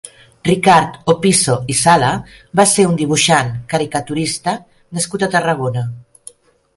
Ricard Opisso i Sala va ser un dibuixant, caricaturista nascut a Tarragona.